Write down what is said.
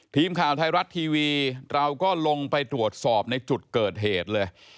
ทีมข่าวไทยรัฐทีวีเราก็ลงไปตรวจสอบในจุดเกิดเหตุเลย